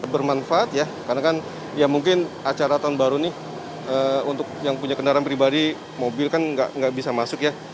bermanfaat ya karena kan ya mungkin acara tahun baru nih untuk yang punya kendaraan pribadi mobil kan nggak bisa masuk ya